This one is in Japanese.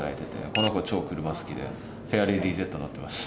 この子は超車好きでフェアレディＺに乗ってます。